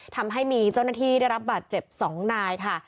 ทำให้มีเจ้าหน้าที่ได้รับบาดเจ็บ๒นายค่ะ